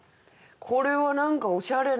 これは何かおしゃれな。